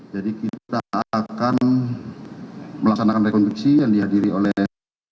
jadi kita akan melaksanakan rekonstruksi yang dihadiri oleh